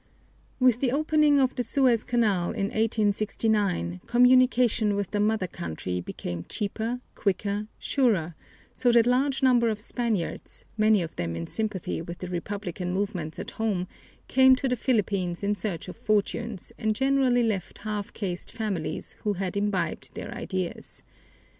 With the opening of the Suez Canal in 1869 communication with the mother country became cheaper, quicker, surer, so that large numbers of Spaniards, many of them in sympathy with the republican movements at home, came to the Philippines in search of fortunes and generally left half caste families who had imbibed their ideas.